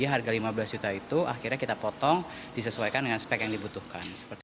harga lima belas juta itu akhirnya kita potong disesuaikan dengan spek yang dibutuhkan